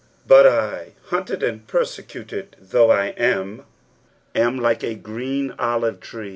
"Bat 7," hunt«d and persecuted though I am, "am like a grata olira frw."